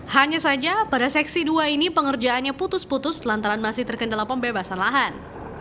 hanya saja pada seksi dua ini pengerjaannya putus putus lantaran masih terkendala pembebasan lahan